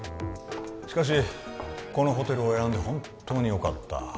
しかしこのホテルを選んで本当によかった